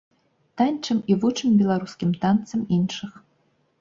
Танчым і вучым беларускім танцам іншых.